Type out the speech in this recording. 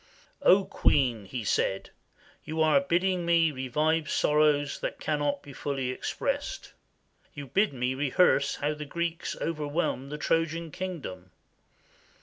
"O Queen," he said, "you are bidding me revive sorrows which cannot be fully expressed. You bid me rehearse how the Greeks overwhelmed the Trojan king dom.